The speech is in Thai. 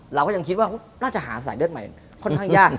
เราก็ยังคิดว่าน่าจะหาสายเลือดใหม่ค่อนข้างยาก